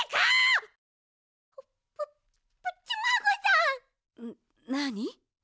んなに？